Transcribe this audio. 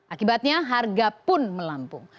akibatnya harga pun melampung